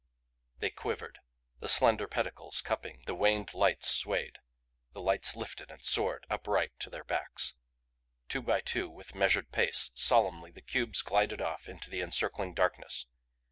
They quivered; the slender pedicles cupping, the waned lights swayed; the lights lifted and soared, upright, to their backs. Two by two with measured pace, solemnly the cubes glided off into the encircling darkness.